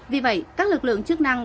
vì vậy các lực lượng chức năng